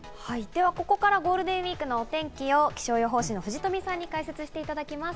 ここからはゴールデンウイークのお天気を気象予報士の藤富さんに解説していただきます。